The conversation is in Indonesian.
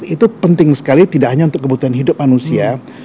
itu penting sekali tidak hanya untuk kebutuhan hidup manusia